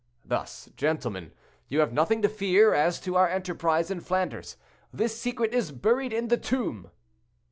Thus, gentlemen, you have nothing to fear as to our enterprise in Flanders; this secret is buried in the tomb."